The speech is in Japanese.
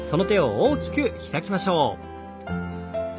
大きく開きましょう。